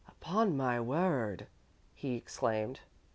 "Upon my word!" he exclaimed.